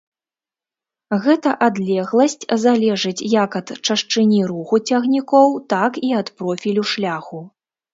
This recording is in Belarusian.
Гэта адлегласць залежыць як ад чашчыні руху цягнікоў, так і ад профілю шляху.